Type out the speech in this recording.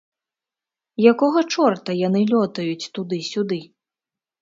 Якога чорта яны лётаюць туды-сюды?